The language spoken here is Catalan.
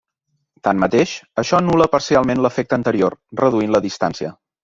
Tanmateix, això anul·la parcialment l'efecte anterior, reduint la distància.